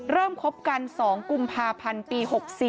คบกัน๒กุมภาพันธ์ปี๖๔